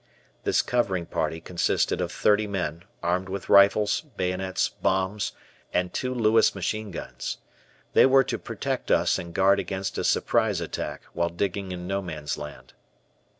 This covering party consisted of thirty men, armed with rifles, bayonets, bombs, and two Lewis machine guns. They were to protect us and guard against a surprise attack, while digging in No Man's Land.